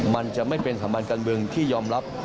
มันจะไม่เป็นสถาบันการเมืองที่ยอมรับ